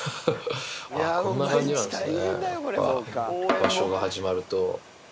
場所が始まると。